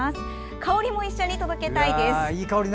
香りも一緒に届けたいです。